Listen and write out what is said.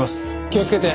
気をつけて。